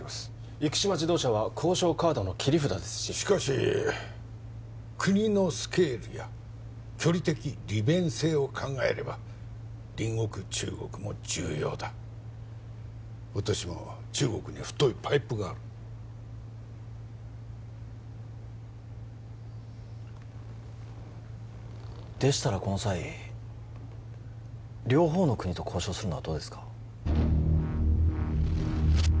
生島自動車は交渉カードの切り札ですししかし国のスケールや距離的利便性を考えれば隣国中国も重要だ私も中国には太いパイプがあるでしたらこの際両方の国と交渉するのはどうですか？